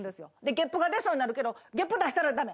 ゲップが出そうになるけどゲップ出したらダメ！